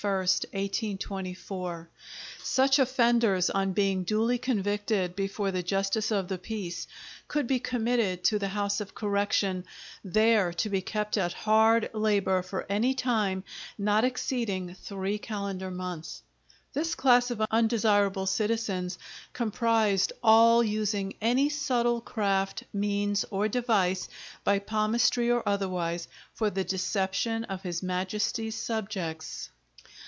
Such offenders, on being duly convicted before the Justice of the Peace, could be committed to the House of Correction, "there to be kept at hard Labour for any time not exceeding Three Calendar Months." This class of undesirable citizens comprised all using "any subtle Craft, Means, or Device, by Palmistry or otherwise" for the deception of his Majesty's subjects.